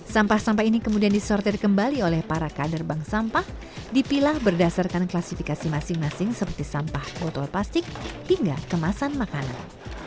sampah sampah ini kemudian disortir kembali oleh para kader bank sampah dipilah berdasarkan klasifikasi masing masing seperti sampah botol plastik hingga kemasan makanan